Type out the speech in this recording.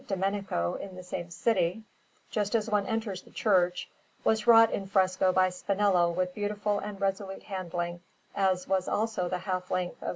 Domenico in the same city, just as one enters the church, was wrought in fresco by Spinello with beautiful and resolute handling, as was also the half length of S.